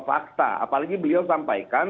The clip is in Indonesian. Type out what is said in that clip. fakta apalagi beliau sampaikan